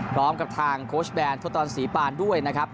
พร้อมกับทางโค้ชแบนทศตอนศรีปานด้วยนะครับ